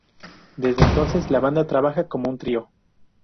Desde entonces la banda trabaja como un trío.